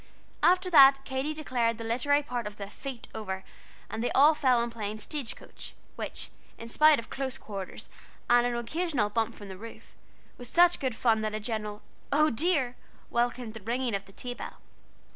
After that Katy declared the literary part of the "Feet" over, and they all fell to playing "Stagecoach," which, in spite of close quarters and an occasional bump from the roof, was such good fun, that a general "Oh dear!" welcomed the ringing of the tea bell.